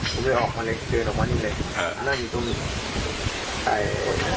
ผมเลยออกมาเลยเชิญออกมาอยู่เลยนั่งอยู่ตรงใต้